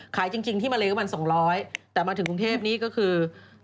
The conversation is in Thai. ขายจริงที่มาเลกว่า๒๐๐บาทแต่มาถึงกรุงเทพนี่ก็คือ